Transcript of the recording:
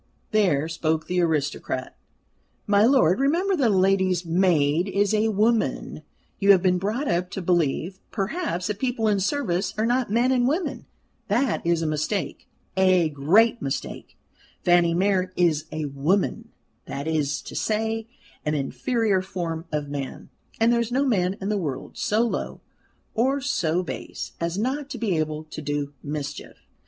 "There spoke the aristocrat. My lord, remember that a lady's maid is a woman. You have been brought up to believe, perhaps, that people in service are not men and women. That is a mistake a great mistake. Fanny Mere is a woman that is to say, an inferior form of man; and there is no man in the world so low or so base as not to be able to do mischief.